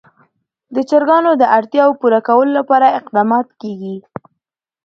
د چرګانو د اړتیاوو پوره کولو لپاره اقدامات کېږي.